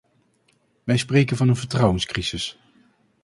Wij spreken van een vertrouwenscrisis.